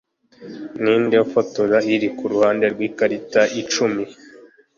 Ninde Ifoto iri Kuruhande rwikarita icumi